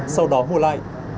sau đó mua lại